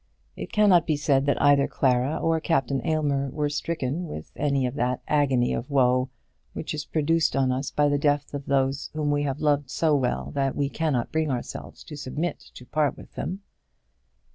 It cannot be said that either Clara or Captain Aylmer were stricken with any of that agony of woe which is produced on us by the death of those whom we have loved so well that we cannot bring ourselves to submit to part with them.